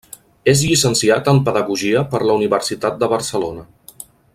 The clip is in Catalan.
És llicenciat en Pedagogia per la Universitat de Barcelona.